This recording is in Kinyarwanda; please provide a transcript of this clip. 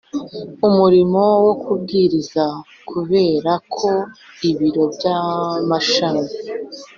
umurimo wo kubwiriza Kubera ko ibiro by amashami